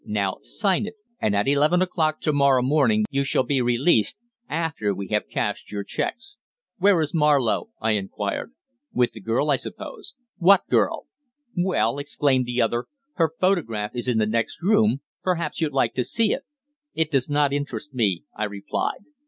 Now sign it, and at eleven o'clock to morrow morning you shall be released after we have cashed your cheques." "Where is Marlowe?" I inquired. "With the girl, I suppose." "What girl?" "Well," exclaimed the other, "her photograph is in the next room; perhaps you'd like to see it." "It does not interest me," I replied.